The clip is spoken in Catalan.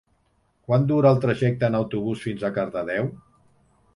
Quant dura el trajecte en autobús fins a Cardedeu?